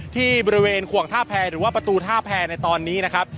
ที่บริเวณขวงท่าแพรหรือว่าประตูท่าแพรในตอนนี้นะครับ